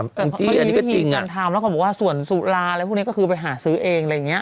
มันมีวิธีการทำแล้วก็บอกว่าส่วนสุราอะไรพวกนี้ก็คือไปหาซื้อเองอะไรอย่างนี้